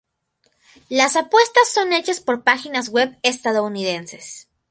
Las apuestas son hechas por páginas web estadounidenses.